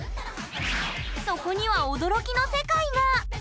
そこには驚きの世界が！